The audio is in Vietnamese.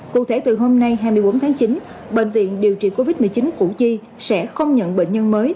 cụ thể từ hôm nay hai mươi bốn tháng chín bệnh viện điều trị covid một mươi chín củ chi sẽ không nhận bệnh nhân mới